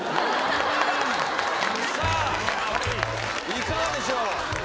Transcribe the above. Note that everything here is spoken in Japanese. いかがでしょう？